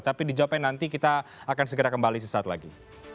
tapi dijawabkan nanti kita akan segera kembali sesaat lagi